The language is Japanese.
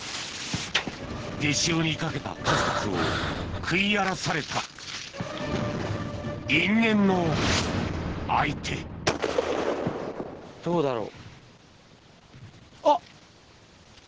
手塩にかけた数々を食い荒らされた因縁の相手どうだろう？